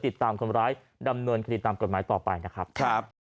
ทีนี้ก็เลยบอกว่าหนูจะหายใจไม่ออกตอนนั้นหนูจะตายแล้ว